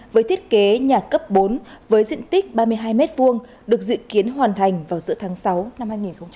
với thiết kế nhà cấp bốn với diện tích ba mươi hai m hai được dự kiến hoàn thành vào giữa tháng sáu năm hai nghìn hai mươi